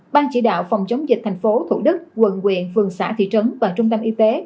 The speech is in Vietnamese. ban chỉ đạo phòng chống dịch tp thủ đức quận huyện phường xã thị trấn và trung tâm y tế